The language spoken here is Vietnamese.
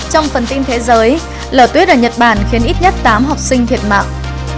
trong phần tin thế giới lở tuyết ở nhật bản khiến ít nhất tám học sinh thiệt mạng